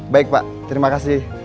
baik pak terima kasih